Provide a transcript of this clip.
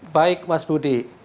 baik mas budi